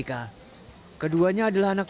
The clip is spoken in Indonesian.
keduanya adalah anak anak yang berpengalaman